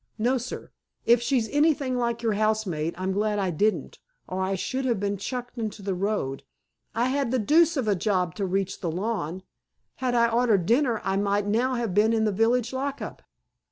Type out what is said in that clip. "No, sir. If she's anything like your housemaid, I'm glad I didn't, or I should have been chucked into the road. I had the deuce of a job to reach the lawn. Had I ordered dinner I might now have been in the village lockup."